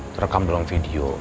terekam dalam video